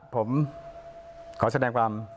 ผมขอแสดงความ